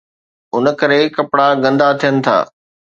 ان ڪري ڪپڙا گندا ٿين ٿا.